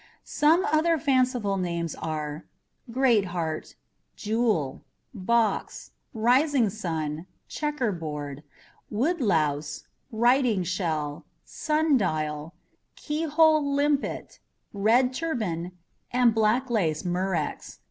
Some other fanciful names are: Great Heart, Jewel, Box, Rising Sun, Checkerboard, Wood Louse, Writhing Shell, Sundial, Key Hole Limpet, Red Turban, and Black Lace Murex.